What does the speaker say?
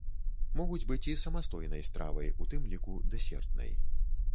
Могуць быць і самастойнай стравай, у тым ліку дэсертнай.